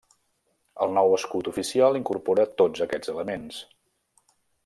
El nou escut oficial incorpora tots aquests elements.